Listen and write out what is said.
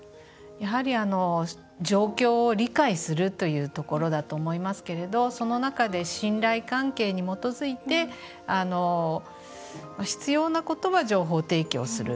やはり、状況を理解するというところだと思いますけどその中で信頼関係に基づいて必要なことは情報提供する。